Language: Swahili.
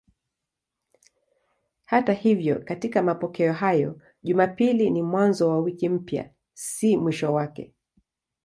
Hata hivyo katika mapokeo hayo Jumapili ni mwanzo wa wiki mpya, si mwisho wake.